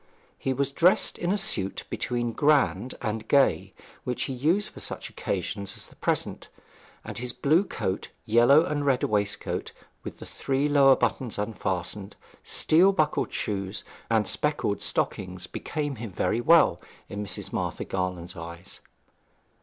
He was dressed in a suit between grand and gay, which he used for such occasions as the present, and his blue coat, yellow and red waistcoat with the three lower buttons unfastened, steel buckled shoes and speckled stockings, became him very well in Mrs. Martha Garland's eyes.